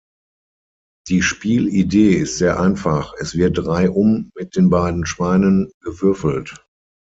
Die Spielidee ist sehr einfach: Es wird reihum mit den beiden Schweinen gewürfelt.